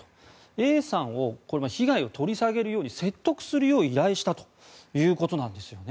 Ａさんを被害を取り下げるように説得するよう依頼したということなんですね。